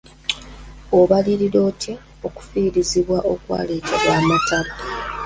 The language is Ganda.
Obalirira otya okufiirizibwa okwaleetebwa amataba?